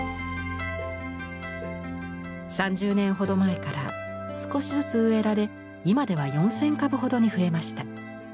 ３０年ほど前から少しずつ植えられ今では４，０００株ほどに増えました。